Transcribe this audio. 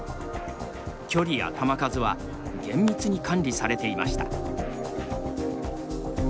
距離や球数は厳密に管理されていました。